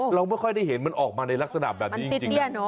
เราไม่ค่อยได้เห็นมันออกมาในลักษณะแบบนี้จริง